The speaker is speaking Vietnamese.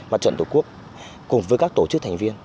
mặt trận tổ quốc cùng với các tổ chức thành viên